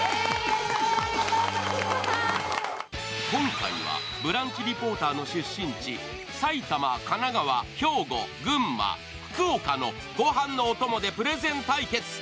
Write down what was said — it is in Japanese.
今回はブランチリポーターの出身地、埼玉、神奈川、兵庫、群馬、福岡のごはんのおともでプレゼン対決。